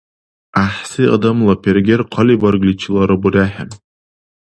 ГӀяхӀси адамла пергер хъалибаргличилара бурехӀе.